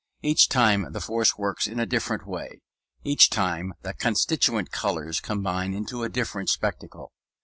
Each time the force works in a different way; each time the constituent colors combine into a different spectacle.